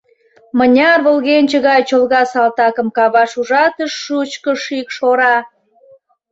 Мыняр волгенче гай чолга салтакым каваш ужатыш шучко шикш ора!